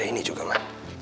ada ini juga ma